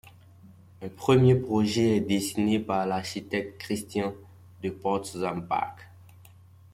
Un premier projet est dessiné par l'architecte Christian de Portzamparc.